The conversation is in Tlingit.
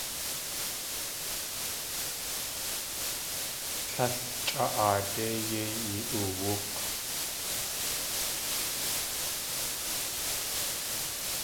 Líl chʼa aadé yéi yi.oowúk̲!